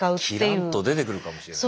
キラッと出てくるかもしれない。